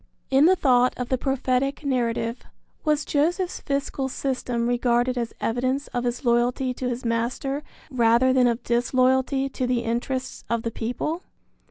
In the thought of the prophetic narrative, was Joseph's fiscal system regarded as evidence of his loyalty to his master rather than of disloyalty to the interests of the people?